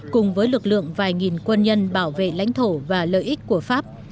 cùng với lực lượng vài nghìn quân nhân bảo vệ lãnh thổ và lợi ích của pháp